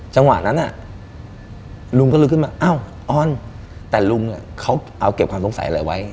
จังหวะนั้นลุงก็ลุกขึ้นมาอ้าวออนแต่ลุงเขาเอาเก็บความสงสัยอะไรไว้